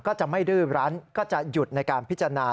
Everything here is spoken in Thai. ก็จะไม่ดื้อรั้นก็จะหยุดในการพิจารณา